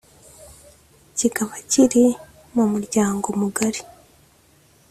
kikaba kiri mu muryango mugari